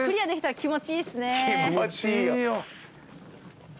気持ちいいよ。